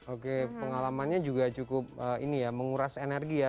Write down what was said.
oke pengalamannya juga cukup menguras energi ya